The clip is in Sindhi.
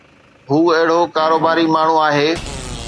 هو اهڙو ڪاروباري ماڻهو آهي.